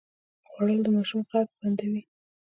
خوړل د ماشوم غږ بندوي